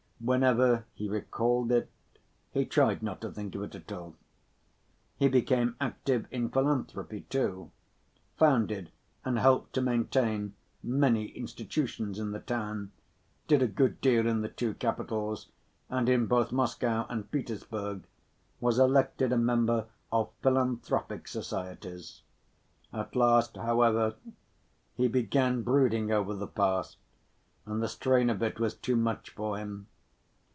Whenever he recalled it, he tried not to think of it at all. He became active in philanthropy too, founded and helped to maintain many institutions in the town, did a good deal in the two capitals, and in both Moscow and Petersburg was elected a member of philanthropic societies. At last, however, he began brooding over the past, and the strain of it was too much for him.